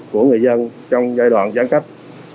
của người dân trong giai đoạn giãn cách